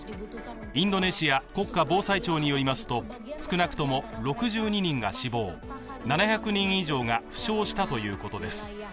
インドネシア国家防災庁によりますと少なくとも６２人が死亡７００人以上が負傷したということです。